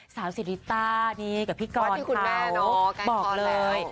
สาวสิริตานี่กับพี่กรเค้าว่าพี่ขุนแม่เนอะ